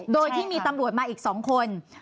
โดยที่มีตำรวจมาอีก๒คน